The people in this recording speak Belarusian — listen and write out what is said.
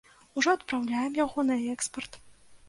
Ужо адпраўляем яго на экспарт.